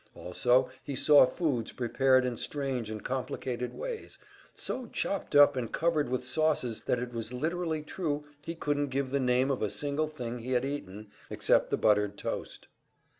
Also, he saw foods prepared in strange and complicated ways, so chopped up and covered with sauces that it was literally true he couldn't give the name of a single thing he had eaten, except the buttered toast.